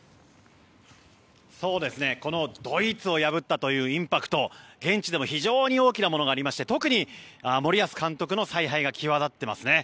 ドイツを破ったというインパクト現地でも非常に大きなものがありまして特に森保監督の采配が際立っていますね。